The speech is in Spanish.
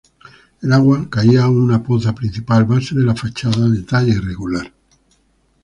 El agua caía a una poza principal, base de la fachada, de talla irregular.